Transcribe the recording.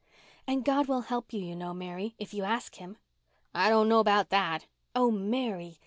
"And God will help you, you know, Mary, if you ask Him." "I don't know about that." "Oh, Mary.